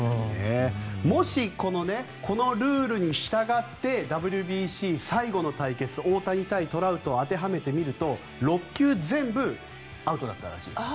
もし、このルールに従ってＷＢＣ最後の対決大谷対トラウトを当てはめてみると６球全部アウトだったらしいです。